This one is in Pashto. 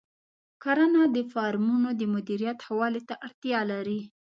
کرنه د فارمونو د مدیریت ښه والي ته اړتیا لري.